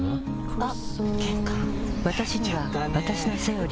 あっ！